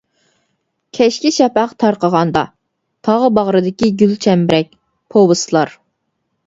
«كەچكى شەپەق تارقىغاندا» ، «تاغ باغرىدىكى گۈلچەمبىرەك» پوۋېستلار.